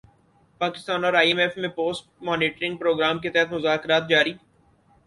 پاکستان اور I M F میں post monitoring programme کے تحت مذاکرات جاری